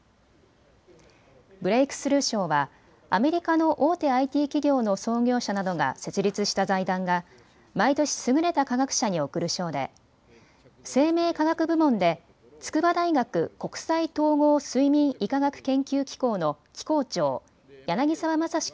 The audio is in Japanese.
ブレイクスルー賞はアメリカの大手ＩＴ企業の創業者などが設立した財団が毎年、優れた科学者に贈る賞で生命科学部門で筑波大学国際統合睡眠医科学研究機構の機構長、柳沢正史